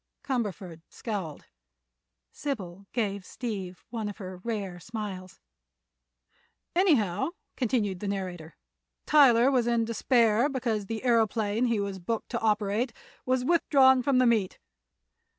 Cumberford scowled; Sybil gave Steve one of her rare smiles. "Anyhow," continued the narrator, "Tyler was in despair because the aëroplane he was booked to operate was withdrawn from the meet.